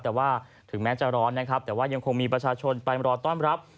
แต่ว่าถึงแม้จะร้อนนะครับแต่ว่ายังคงมีประชาชนไปรอต้อนรับ